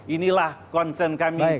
inilah concern kami